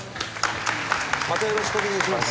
またよろしくお願いします。